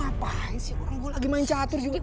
ngapain sih orang gue lagi main catur juga